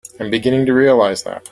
I'm beginning to realize that.